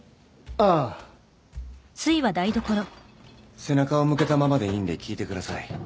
ああ背中を向けたままでいいんで聞いてください